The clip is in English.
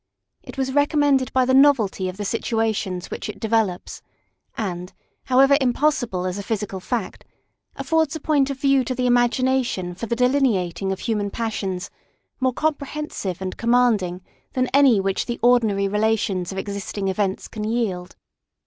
It was recommended by the novelty of the situations which it developes; and, however impossible as a physical fact, affords a point of view to the imagination for the delineating of human passions more comprehensive and commanding than any which the ordinary relations of existing events can yield.